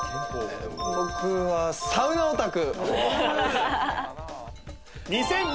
僕はサウナオタク。